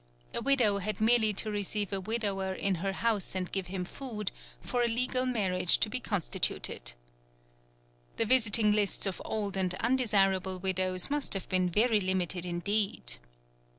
A widow had merely to receive a widower in her house and give him food, for a legal marriage to be constituted. The visiting lists of old and undesirable widows must have been very limited indeed.